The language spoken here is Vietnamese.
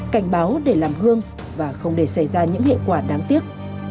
cảnh báo để làm hương và không để xảy ra những hệ quả đáng tiếc